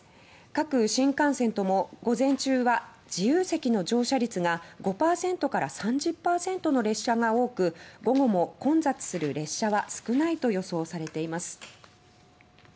各新幹線とも午前中は自由席の乗車率が５％から３０％の列車が多く午後も混雑する列車は少ないと予想されています。